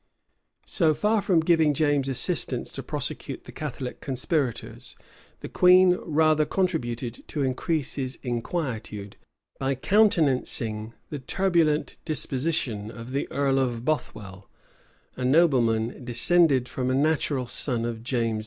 235 So far from giving James assistance to prosecute the Catholic conspirators, the queen rather contributed to increase his inquietude, by countenancing the turbulent disposition of the earl of Bothwell,[*] a nobleman descended from a natural son of James V.